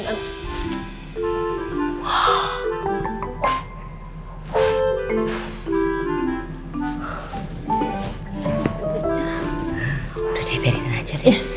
udah deh biarin aja deh